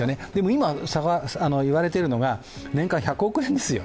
今言われているのが、年間１００億円ですよ。